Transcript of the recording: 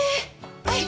はい！